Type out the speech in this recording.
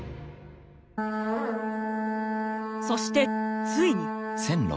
そしてついに。